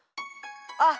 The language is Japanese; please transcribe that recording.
あっ！